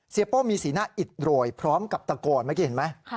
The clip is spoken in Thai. โป้มีสีหน้าอิดโรยพร้อมกับตะโกนเมื่อกี้เห็นไหม